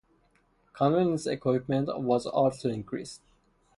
Convenience equipment was also increased.